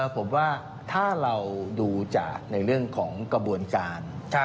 ผมว่าถ้าเราดูจากในเรื่องของกระบวนการ